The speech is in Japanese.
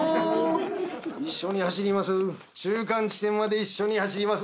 一緒に走ります。